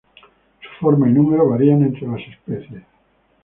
Su forma y número varían entre las especies.